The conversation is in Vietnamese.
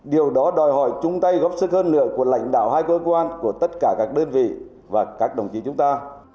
điều đó đòi hỏi chung tay góp sức hơn nữa của lãnh đạo hai cơ quan của tất cả các đơn vị và các đồng chí chúng ta